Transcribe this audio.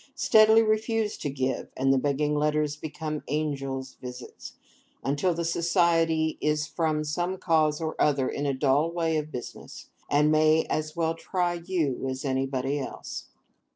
Steadily refuse to give; and the begging letters become Angels' visits, until the Society is from some cause or other in a dull way of business, and may as well try you as anybody else.